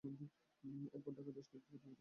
এরপর ঢাকায় বেশ কয়েকটি প্রতিযোগিতা শুরু হয়।